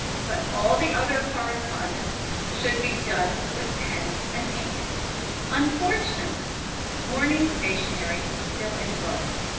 But all other correspondence should be done with pen and ink. Unfortunately, mourning stationery is still in vogue.